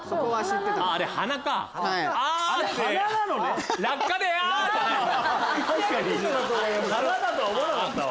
鼻だとは思わなかったわ。